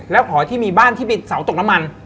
แล้วหอที่มีบ้านที่เป็นเสาตกน้ำมัน